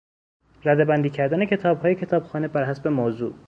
رده بندی کردن کتابهای کتابخانه بر حسب موضوع